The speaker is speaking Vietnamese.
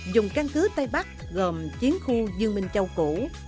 dùng căn cứ tây bắc gồm chiến khu dương minh châu củ